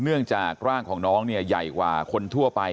เนื่องจากร่างของน้องเนี่ยใหญ่กว่าคนทั่วไป